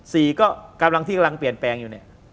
สี่ก็กำลังที่กำลังเปลี่ยนแปลงอยู่เนี่ย